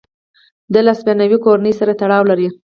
دا له هسپانوي کورنۍ سره تړاو لري.